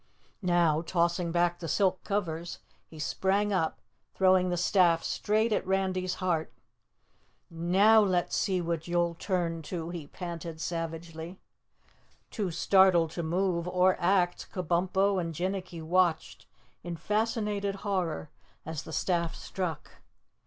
Now tossing back the silk covers, he sprang up, throwing the staff straight at Randy's heart. "Now let's see what you'll turn to," he panted savagely. Too startled to move or act, Kabumpo and Jinnicky watched in fascinated horror as the staff struck.